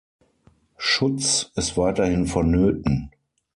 Schutz ist weiterhin vonnöten.